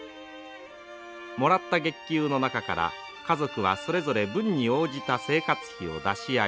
もらった月給の中から家族はそれぞれ分に応じた生活費を出し合います。